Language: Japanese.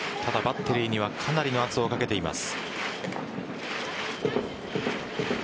ただ、バッテリーにはかなりの圧をかけています。